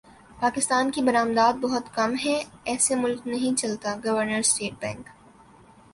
پاکستان کی برمدات بہت کم ہیں ایسے ملک نہیں چلتا گورنر اسٹیٹ بینک